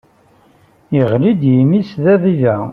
Yeɣli-d yimi-s d abiba.